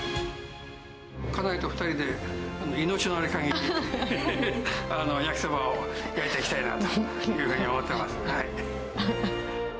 家内と２人で命のあるかぎり、焼きそばを焼いていきたいなというふうに思っています。